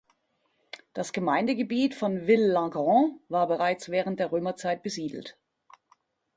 Das Gemeindegebiet von Ville-la-Grand war bereits während der Römerzeit besiedelt.